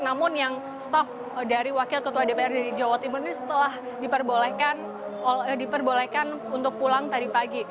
namun yang staff dari wakil ketua dprd jawa timur ini telah diperbolehkan untuk pulang tadi pagi